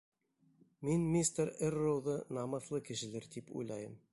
Мин мистер Эрроуҙы намыҫлы кешелер тип уйлайым.